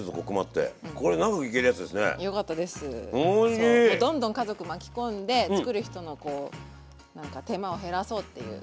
そうどんどん家族巻き込んで作る人の手間を減らそうっていう。